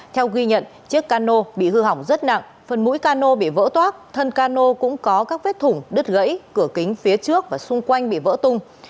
theo ghi nhận chiếc cano bị hư hỏng rất nặng phần mũi cano bị vỡ toác thân cano cũng có các vết thủng đứt gãy cửa kính phía trước và xung quanh bị vỡ tung